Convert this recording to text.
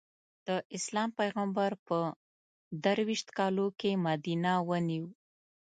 د اسلام پېغمبر په درویشت کالو کې مدینه ونیو.